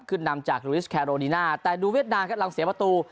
ขึ้นนำจากแต่ดูเวียดนามครับลองเสียประตู